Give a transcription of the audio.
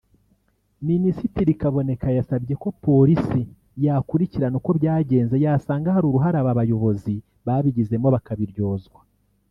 Minisitiri Kaboneka yasabye ko polisi yakurikirana uko byagenze yasanga hari uruhare abo bayobozi babigizemo bakabiryozwa